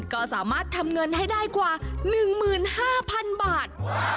ก็สามารถทำเงินให้ได้กว่า๑๕๐๐๐บาท